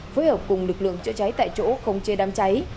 phối hợp cùng lực lượng chữa cháy tại chỗ không chê đám cháy